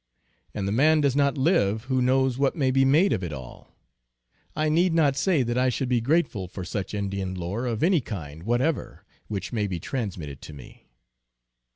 And the man does not live who knows what may be made of it all. I need not say that I should be grateful for such In dian lore of any kind whatever which may be trans mitted to me.